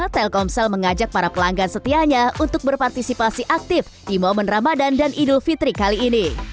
telkomsel mengajak para pelanggan setianya untuk berpartisipasi aktif di momen ramadan dan idul fitri kali ini